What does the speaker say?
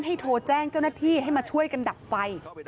โทรแจ้งเจ้าหน้าที่ให้มาช่วยกันดับไฟ